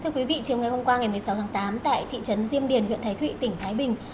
thưa quý vị chiều ngày hôm qua ngày một mươi sáu tháng tám tại thị trấn diêm điền huyện thái thụy tỉnh thái bình